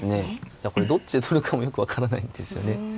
いやこれどっちで取るかもよく分からないんですよね。